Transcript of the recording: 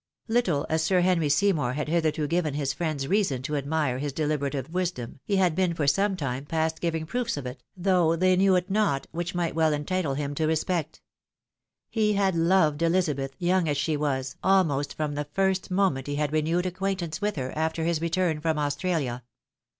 Little as Sir Henry Seymour had hitherto given his friends reason to admire his deliberative wisdom, he had been for some time past giving proofs of it, though they knew it not, which might well entitle him to respect. He had loved Elizabeth, young as she was, almost from the first moment he had renewed acquaintance with her after his return from Australia.